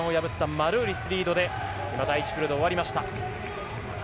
マルーリスリードで第１ピリオドが終わりました。